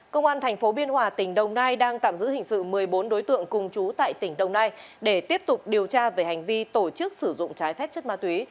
công an tp biên hòa tỉnh đồng nai đang tạm giữ hình sự một mươi bốn đối tượng cùng chú tại tỉnh đồng nai để tiếp tục điều tra về hành vi tổ chức sử dụng trái phép chất ma túy